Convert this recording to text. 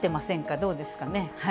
どうですかね。